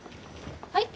はい？